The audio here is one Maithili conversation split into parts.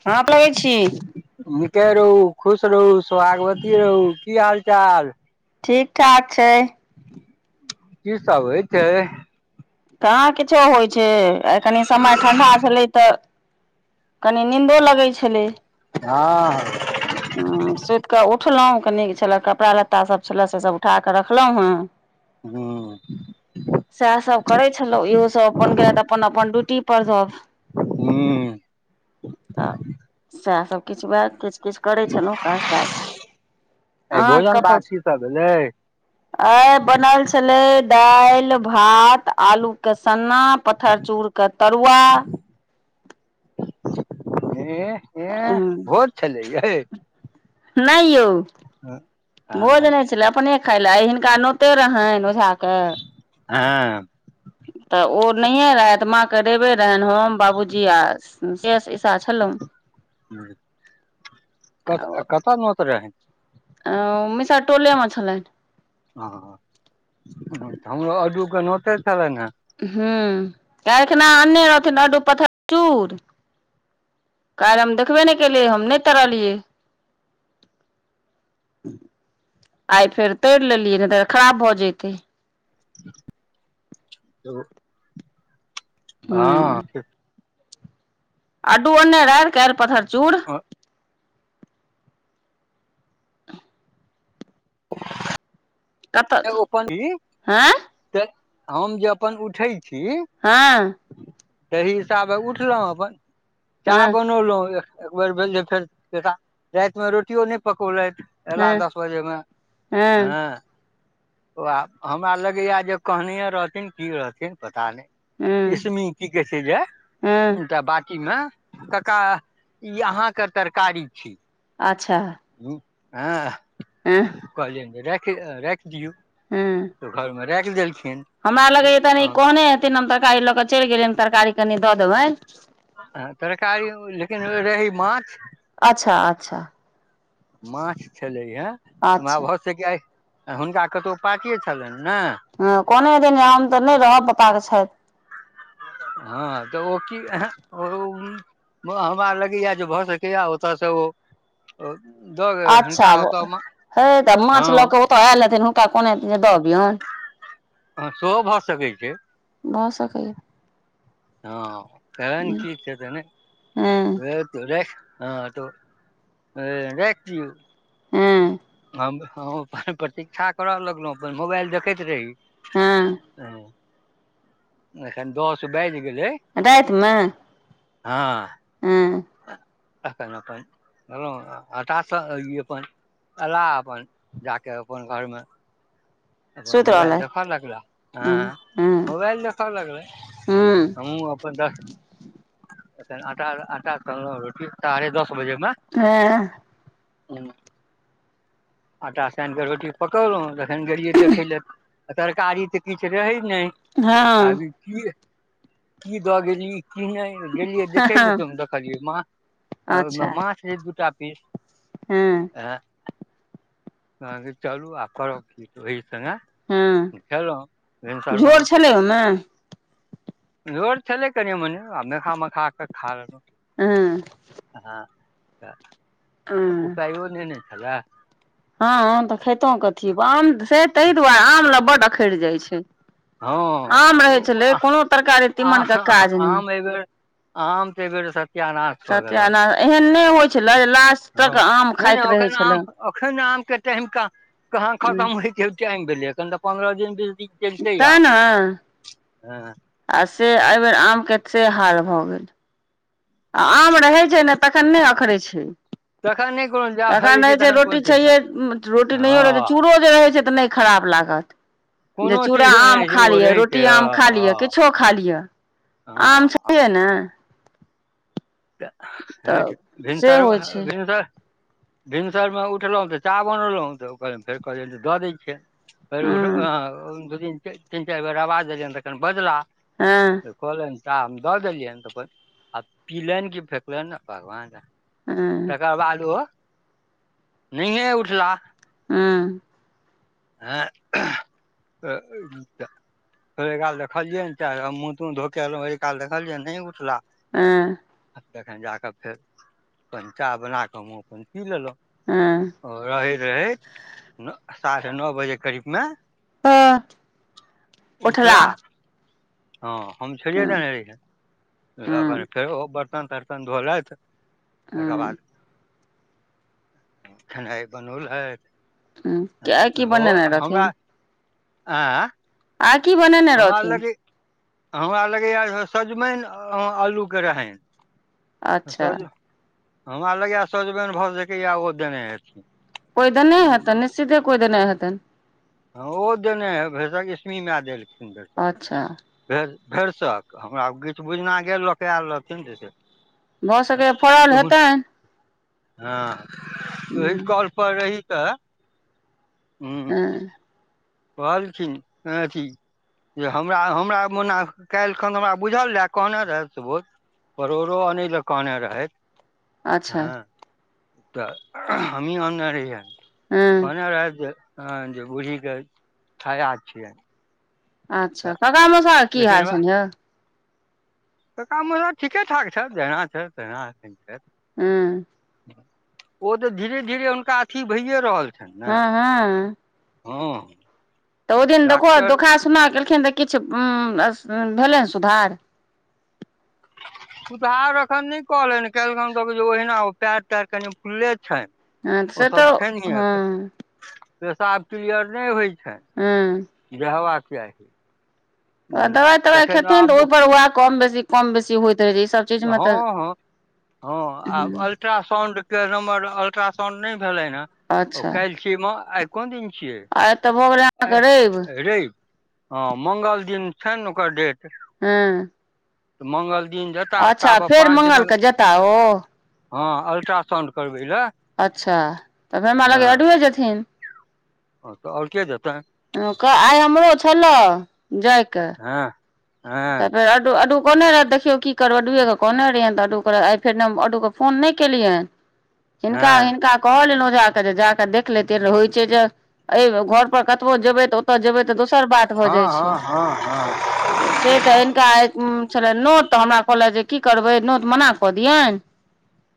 [unintelligible] लगै छी। निके रहु, खुश रहु, सौहागवती रहु, की हाल-चाल? ठीक-ठाक छै। की सब होय छै। कहाँ किछो होय छै, आय कनि समय ठण्ढा छलै तऽ कनी नीन्दो लगै छलै। हां-हां। हां। सुति कऽ उठलहुँ क नीक छलए कपड़ा लत्ता सब छलए सेसभ उठा कऽ रखलहुँ हेँ। हु। सएह सब करे छलहु इहो सब अपन गेल अपन -अपन ड्यूटी पर सब। हू। तऽ सएह सभकछु बात किछ- - करै छलहुँ काज -ताज आइ अहाँ भोजन कत भात छि। की सब भेलै आई बनल छले दालि, भात, आलू के सन्ना, पत्थर चूर- - क तरुआ- - हे, एह भोज, छलै यई। ने ई यौ भोज हँ नेई छैल। अपने खाय ले हिनका नोते रहेन ओझा के - - ऐं तऽ ओ नहिए रहथि माँके रेबे रहनि हम बाबूजी आस- - शेष ईशा छलौ। कत -कतऽ नौत रहै। अ ओ मिसा टोले मे छलनि। ह हमरो अू के नोते छलैईना। हु केल एखना अनने रहथिन अडडू पथ चूर- - काल्हि हम देखबे नहि केलियै हम नहि तैरलियै- - आइ फेर तैर लेलियै ने तऽ खराब भऽ जैते। हँ- - आड्डू ओन्ने राहैत काल्हि पतथर चूर- - आऽ- - ऐ कतऽ ओ पण्डित हँ तऽ हम जे अपन उठै छि। हँ- - तही हिसाबे उठलहुँ अपन चाह हँ बनौलहुँ। एक बेर भेल जे फेर रातिमे रोटियो नहि पकौलथि अयलाह हँ दस बजेमे हँ- - वाह हमरा लगैए जे कहनए रहथिन की रहथिन पता नहि- - हँ इसमी की कहै छै गेय हँ एटा बाटीमे - - ककाह ई अहााँके तरकारी छी। अच्छा- - हु आँ कल रख राखि दियऔ। हु - - सुखल मे राखि देलखिन। हमरा लगे ए तनी कोने हेथिन हम तरकारी लऽ के चलि गेलिय तरकारी कनि दऽ देबनि। ह तरकारी लेकिन रही माछ- - अच्छा -अच्छा- - माछ छलैया ओना अच्छा भऽ सकेया हुनका कतहु पाटीए छलैन न। ह कोनो एदिन आम तऽ नहि रहब पता छै। हँ तऽ ओ एहे ओ - - हमरा लगैया जे भऽ सकैया ओतऽसँ ओ- - दऽ ग हिनका अच्छा ओतऽ मा हँ- - तऽहेथिन हुनका कहने हेथीन दऽबियौनि। हँ, सेहो भऽ सकैत छै। भ सकै य। हँ, केहन की छै, से तने, हँ र हँ, तऽ राख दियऔ। हँ। हम हम अपन प्रतीक्षा करऽ लगलो, अपन मोबाइल देखैत रही। हँ हँ, जेएन दस बाजी गेलै। रातिमे? हँ। अखन अपन कहलहुँ, आटा सन---ई अपन अलाह अपन जाकऽ अपन घरमे। अपन सुति मोबाइल रहलथि देखऽ लगलह, हूं हँ, हूं मोबाइल देखऽ लगला। हूं हमहु अपन द आ आटा सनलउ, रोटी साढ़े दस बजे मे। हँ। ह। आटा सानि कऽ रोटी पकौलहुँ, जखन गेलियै देखै लए, तरकारी तऽ किछु रहै नहि। हँ आब इ की दऽ गेली, की नहि? गेलियै देखे ले, हँ त देखलियै अच्छा माह माछ रहै दूटा पीस। हँ। अाँ। कह चलू आओ करब की, ओहि सङ्गे हँ खेलहुँ, भिनसरमे झोर छलै ओइ मे। झोर छलै कनि -मनी, आ मेखा -मखा के आ खा लेलउ। हँ। हँ, त उपाइयो न ने छला। हँ, आम तऽ खेतहुँ कथी? आम से ताहि दुआरे आम ल बड्ड अखरि जाइत छै। हँ आम रहे ओ छलै, कोनो तरकारी तीमन के काज नहि। अय बेर आम ते बेर सर ह्य नाश कऽ देलक, सत्यानाश एहन नहि होइ छलै जे लास्ट ह तक आम नहि खाइत रहै छलै एखन आम के टाइमा कहाँ खतम होय छै। टाइम भेलै, एखन तऽ पन्द्रह दिन, बीस दिन, चलते तैँ आम ने हँ। आ से, एहि बेर आम के से हाल भऽ गेल। आ हँ। आम रहैत छै ने, तखन नहि अखरै छै। तखन नहि कोनो जा रहै तखन होइ छै कोन रोटी छैे चिन्ता हे, रोटी नहियो रहैत छै, हँ चूरो जे रहै छै तऽ नहि खराब लागत। जे कोनो चूड़ा चीज नहि आम रहै छै खा ओ लिअ, रहै रोटी छै आम खा लिअ, हँ किछो खा लिअ। आम हँ हँ छैेये ने। त तऽ ह से भिनसर होइ छै भिनसर भिनसरमे उठलहुँ तऽ चाह बनलहुँ, तऽ ओ कह फेर कहलियनि तऽ दऽ दै हँ छियनि। द तीन चार बेर, आवाज देलियैन तखन बजला। हँ। तऽ कहलनि चाह हम दऽ देलियनि, तऽ अपन आ पिलनि, कि फेकलनि, भगवान जाने। हुँ। तकर बाद ओ, नहिये उठला। हँ आँ त [unintelligible] हि काल देखलियै ने च हम मुँह तूह धोकेलों ओहि काल देखलियै नहि उठला, हँ जखन जााकऽ फेर चाह बना कऽ हमँ अपन पी लेलहुँ, हँ ओ रहैत रहैत न साढ़े नओ बजे करीबमे, ह उठला, हँ हम छोड़िये हँ देने हँ रहियैन फेरो बर्तन तर्तन धोलथि, तकर हँ बाद खेनाइ बनौलथ, हँ ह आइ त की बनेने हमरा आँ [unintelligible] आ की बनाना [unintelligible] हमरा लगै हमरा लगैए सब्जी आलूके रहे, अच्छा सज हमरा लगए सजबनि भऽ जेकैए ओ देने हेथिन [unintelligible] कोइ दे हेतै निश्चिते कोइ देऽने हेतै [unintelligible] हँ ओ देने हइ भरिसख इसमी माय देलखिन भरिसख अच्छा [unintelligible] भे भेरसक हमरा गीछ बुझना गेल लऽ कऽ आयल रहथिन, भऽ सकैए फड़ल हेतनि, हँ ओहि हूँ कॉल पर रही तऽ, ह [inaudible] ह [inaudible] भ छी ह छी [inaudible] जे हमरा हमरा मना काल् खन हमरा बुझल रहय कहने रहय सुबोत परोड़ो अने लकान रहथि [unintelligible] अच्छा हँ तऽ हमी अन्नरे ज [unintelligible] हँ कहने रहत जे ह जे बूढ़ीके छाया छियनि [unintelligible] तऽ अच्छा कका मौसा की लेकिन हाल हमरा छनि यौ? कका मौसा ठीके ठाक छै जहिना छै तहिना ए छै। हँ ओ तऽ धीरे धीरे हुनका अथी भइए रहल छनि ने, हँ हँ हँ तऽ ओहि दिन देखहो डॉक्टर धोखा सुना केलखिन तऽ किछु भेलै ने सुधार? सुुधार एखन नहि कहले कलक त जे ओहिना ओ पयर तयर कनि फुलले छ। हँ तस तऽ हँ, पेशाब क्लियर नहि होइत छ। हँ बिह आै आै [unintelligible] दवाइ तवाइ खेथिन तऽ आब ओहिपर उएह कम बेसी कम बेसी होइत रहै छै ईसभ, चीजमे तऽ हँ हँ हँ, अल्ट्रासाउंड के नम्बर अल्ट्रासाउंड नहि भेलै ह ओ काल्हि, सीमा आयकन देने छियै [unintelligible] आ एतऽ भऽ गेलै आइ अहाँके रवि [unintelligible] रवि हँ मंगल दिन छै ने ओकर डेट, हँ तऽ मंगल दिन जा, अच्छा फेर मंगलके जता ओ, हँ अल्ट्रासाउंण्ड करबै लए। अच्छा तऽ हमरा लगैया अडबे जेथिन। ओ-ओर के जेतैन। आय हमरो छेल्ला जायके। हँ। हँ तखन अडु-अडु कोनेरे देख। देखौ की करब अडए के कहने रहिै तऽ अडू के आइ फेर ऑडू के फोन नै केलियैन। हिनका हँ -हिनका कहल ओझा के जे जाके देखले थिन होइ छै जे घर पर कतबो जेबे तऽ। ओतय जेबै तऽ दोसर बात हँ, भऽ जाइ छै हँ, हँ, हँ। तऽ से तऽ हिनका छेलैन नोत तऽ हमरा कहलैथ जे की करबै नोत मना कऽ दियन?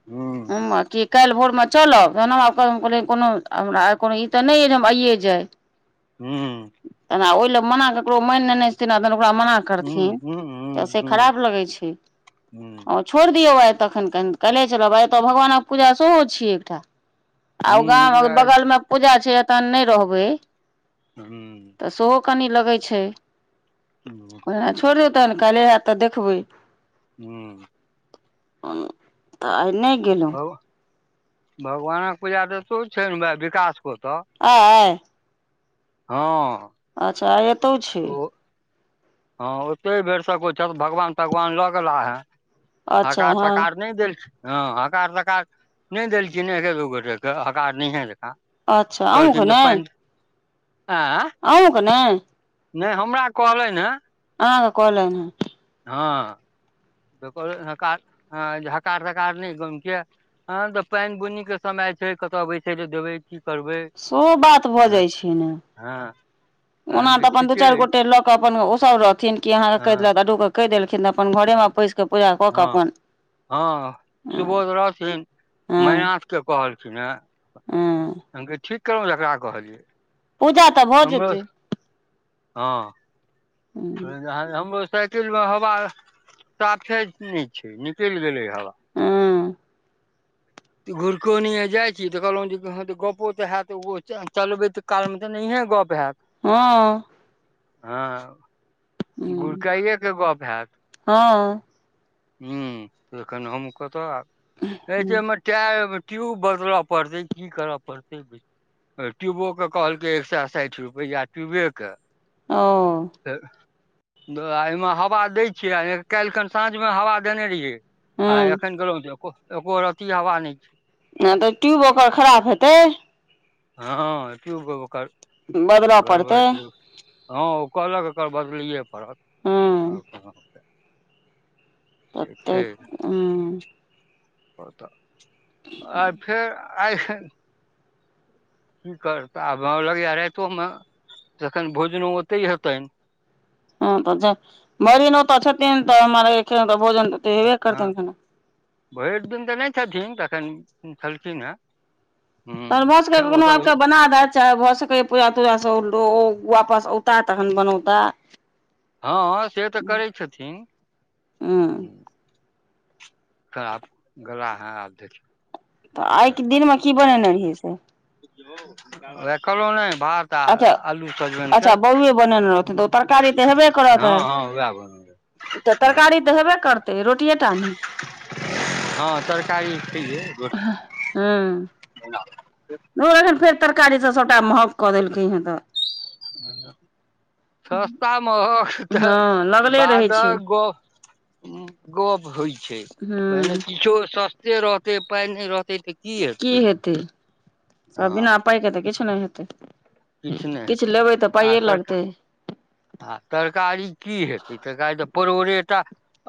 ह्म हँ आबकि कैल्ह भोरमे चलब तहन हम आब कहल कोनो हमरा कोनो ई तऽ नै अइ जे हम आइए जाइ। [unintelligible] हूँ। तऽ ओहि लए मना ककरो मैन लेन छैन नत ओकरा मना करथिन ह्म ह्म से ह्म खराब लागै छै ह्म और- छोइड़ दियौ आय तखन कनि कैल्हे चलब आय तऽ भगवानक पूजा सेहो छियै एकटा। आ ओ गाम ह्म बगलमे पूजा छै तहन नै रहबै। हूँ। तऽ सेहो कनि लगै छै। हूँ। कहना छोरू तब कैल्हे हेएत तऽ देखबै? हूँ। हँ। तऽ भग भगवानक पूजा तऽ एतौ छैन विकास के ओतऽ आय? हँ। अच्छा एतौ छै। ओ हँ ओतै भैरसँक [unintelligible] भगवान तगवान लऽ गेलाह हेँ। अच्छा हकार हँ तकार नै देै छै। हँ हकार तकार नै देलखिन ने एक दू गोटेके हकार नहिये देता। अच्छा अहूँके कहलखिन जे पैन आँ- अहूँ के नेै? नै हमरा कहलेैन हेँ। आँहा के कहलैन हेँ। हँ। हकार हँ हकार तकार नैय गामके- हँ तऽ पैन बुनी के समय छै कतऽ बैसऽ लेेए देबेै की करबै सेहो बात भऽ हँ जाय छै ने- हँ। तहन ओना कि तऽ अपन दू ठीके चैर अछि गोटे लऽ कऽ अपन ओ सब रहथिन कि आहाँके हँ कैहदेलक आ दुगो। कैहदेलखिन तऽ अपन घरे मे पइस- हँ हँ सुबोध रहथिन मैनाथके कहलखिन हेँ। हूँ। हम कहलियै ठीक कहलौ जकरा अहाँ कहलियै। पूजा तऽ भऽ जेतै। हां। ऊं। [unintelligible] हमरो साइकिल मे हवा साफे नै छै, निकैल गेलै ह बा। हँ [inaudible] तऽ घुरकोनया जाय छी तऽ कहलौ जे घर गप्पो तऽ हैत उहो च चलबैत काल मे तऽ नहिये गप हाएत। हां। हां गुड़काइये के गप हाएत। हां। हुं एखन हम कतऽ हँ ऐसे हमर टाएर, ट्यूब बदलऽ पड़तै, की करऽ पड़तै [unintelligible] आ ट्यूबो के कहलकै एक सए साएठ रुपैया ट्यूबे के। औ। तऽ द ए मे हवा दै छियै आ काएलखन साँझ मे हवा देने रिहै। आ हँ एखन गेलौ ते एको, एको रति हवा नै छै। हां तऽ ट्यूब ओकर खराब हेतै। हां ट्यूब ओकर बदलऽ गड़बड़ पड़तै छै। हां ओ कहलक एकर बदलैये पड़त हँ और [unintelligible] से छै। आं। ओ तऽ आय फेर आय खन की करतै आब लगैया राएतो मे तखन भोजनो ओते हेतैन। हां तऽ ज मरीनो तऽ छथिन तऽ हमर [unintelligible] भोजन तऽ हेबे हां करतनि खाना भैर दिन तऽ नै छथिन तखन छलखिन हेँ। तहन भाए सकै हूँ कखनो आएब ओतऽ के बना दे चाहे भऽ सकैया पूजा-तूजा [unintelligible] वापस ओता तखन बनौता। हां से तऽ करै छथिन। हँ खराब गला हें आब देखियो तऽ आय के दिनमे की बनेनै रिहै से। वाएह कहलौ नै भात आ अच्छा, आलू सजमनि के अच्छा बौअवे बनैने रहथिन तऽ ओ तरकारी तऽ हेबे करत हँ आय। हँ उएह बनल तऽ तरकारी तऽ हेबे करतै रोटिये टा नै। हां तरकारी छैहये रो ह, हां। [unintelligible] ओ एखन फेर तरकारी सँ सबटा महग कऽ देलकै हें तऽ। [unintelligible] सस्ता, महग तऽ हँ लगले रहै छै बादक ग उम्म गप होय छै, पहिने हूँ किछो सस्ते रहतै, पाय नै रहतै तऽ की हेतै सब हँ बिना पाय के तऽ किछ नै हेतै। किछु नहि किछ हेतै लेबै तऽ आ पाइये तरका लगतै। आ तरकारी की हेतै तरकारी तऽ परोरेटा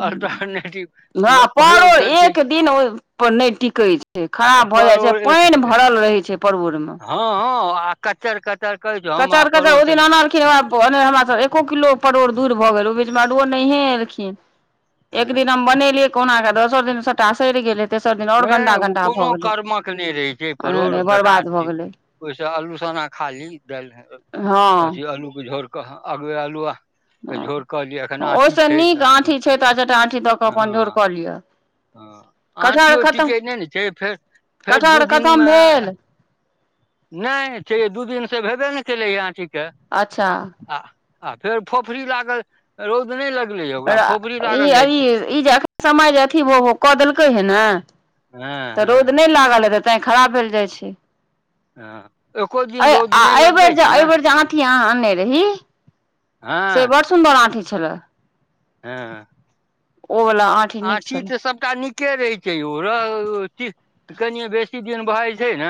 अल्टरनेटिव [unintelligible] परोड़ परोर छोड़ के एक दिन ओय पर नै टिके छै, खराब भ जाय छै, परोड़ पाएन भरल रहे छै परोर मे। हां-हां आ कच्चर कचर कहै छै हम आ कचर-कचर परोड़ ओ दिन अनलखिन वैह प नै हमरा से एको किलो परोर दूईर भ गेल उ बीच मे [unintelligible] नहिए एलखिन्ह से एक दिन हम बनेलियै कौहना कै दोसर दिन सबटा सैर गेलै तेसर दिन आओर हें गन्दा उ गन्दा कोनो भऽ गेलै कर्मक नै रहै छै परोड़ अरे बेकार बर्बाद भऽ छै। गेलै ओय से अल्लू सन्ना खा ली दाईल में के हँ अथी अल्लू के झोर कऽ हां [unintelligible] अल्लूवा। हां ओय से नीक आँठी छै त चारटा आँठी दऽ कऽ अपन झोर कऽ लिआ। हां आँठियौ टिकै नै-नै छै फेर-फेर कटहर दू खतम दिनमे अ भेल नै छै दू दिन से भेबै नै केलय यै आँठी कै अच्छा। आ-आ फेर फोफड़ी लागल रौद नै लगलै यै ओकरा फोफड़ी ई लागल जाय छै। ई जे ऐखन समय जे अथी वो-वो कऽ देलकै हें नै हँ तऽ रौद हँ नै लागल हेते तैं खराब भेल जाए छै। हां। ऐ आ एबेर जे एबेर जे आंठि अहाँ आनने रही से हँ बड सु सुन्दर आँठी छलै। हां। ओ बला आंठ आंठी तै सब टा नीके रहे छै यौ र अथी कनिए बेसी दिन भ जाए छै नै